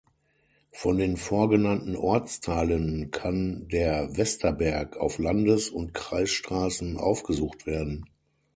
Von den vorgenannten Ortsteilen kann der Westerberg auf Landes- und Kreisstraßen aufgesucht werden.